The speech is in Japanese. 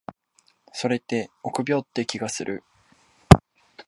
それって臆病って気がする。